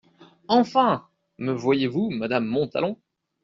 Enfin me voyez-vous :« madame Montalon !